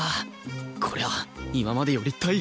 こりゃ今までより大変そう